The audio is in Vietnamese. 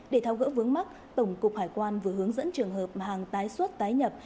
để thao gỡ vướng mắt tổng cục hải quan vừa hướng dẫn trường hợp hàng tái xuất tái nhập